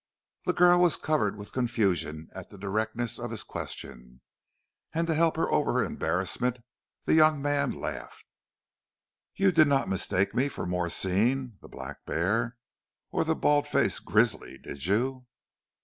The girl was covered with confusion at the directness of his question, and to help her over her embarrassment the young man laughed. "You did not mistake me for Moorseen (the black bear) or the bald face grizzly, did you?"